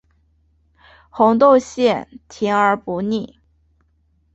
红豆馅甜而不腻